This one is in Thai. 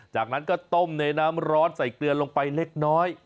จากนั้นก็ต้มในน้ำร้อนใส่เกลือลงไปเล็กน้อย